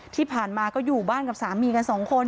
ที่ผ่านมาก็อยู่บ้านกับสามีกันสองคน